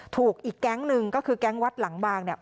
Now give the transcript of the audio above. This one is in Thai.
ถูกอีกแก๊งหนึ่งก็คือแก๊งวัดหลังบางเนี่ย